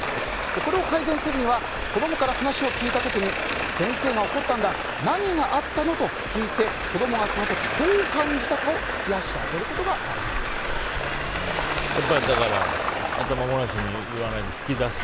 これを改善するには子供から話を聞いた時に先生が怒ったんだ何があったの？と聞いて子供がその時どう感じたかを聞き出してあげることがやっぱり頭ごなしに言わないで引き出す。